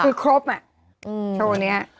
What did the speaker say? คือครบอ่ะโชว์นี้